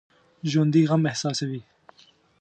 ژوندي غم احساسوي